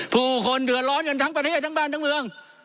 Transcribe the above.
ผู้คนเดือดร้อนกันทั้งประเทศทั้งบ้านทั้งเมือง